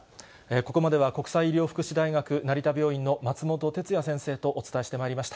ここまでは、国際医療福祉大学成田病院の松本哲哉先生とお伝えしてまいりました。